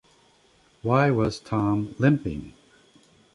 Why was Tom limping?